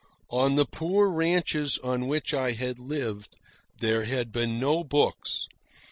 On the poor ranches on which I had lived there had been no books.